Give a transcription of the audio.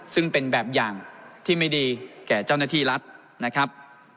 ซึ่งเป็นแบบอย่างที่ไม่ดีแก่เจ้าหน้าที่รัฐนะครับ